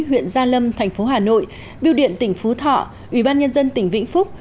huyện gia lâm thành phố hà nội biêu điện tỉnh phú thọ ủy ban nhân dân tỉnh vĩnh phúc